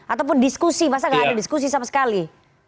ataupun diskusi masa gak ada diskusi sama sekali